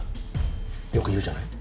よく言うじゃない。